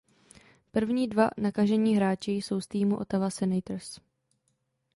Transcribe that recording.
První dva nakažení hráči jsou z týmu Ottawa Senators.